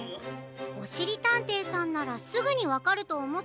おしりたんていさんならすぐにわかるとおもったんだけど。